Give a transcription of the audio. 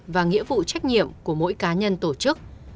và nghĩa vụ trách nhiệm của mỗi cá nhân tổ chức